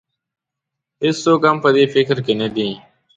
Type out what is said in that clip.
هېڅوک هم په دې فکر کې نه دی.